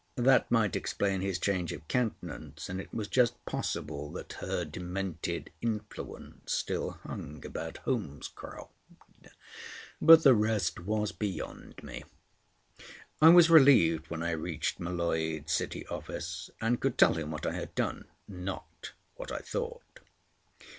That might explain his change of countenance, and it was just possible that her demented influence still hung about Holmescroft; but the rest was beyond me. I was relieved when I reached M'Leod's City office, and could tell him what I had done—not what I thought.